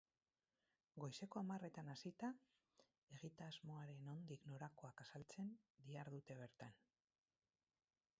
Goizeko hamarretan hasita, egitasmoaren nondik norakoak azaltzen dihardute bertan.